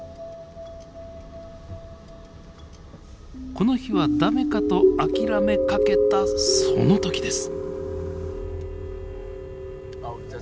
この日は駄目かと諦めかけたその時です。